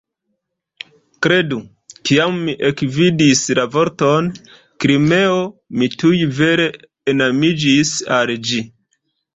Kredu, kiam mi ekvidis la vorton "Krimeo" mi tuj vere enamiĝis al ĝi.